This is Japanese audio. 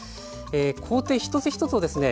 工程一つ一つをですね